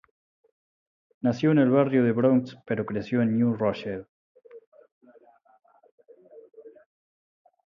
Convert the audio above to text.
Nació en el barrio del Bronx pero creció en New Rochelle.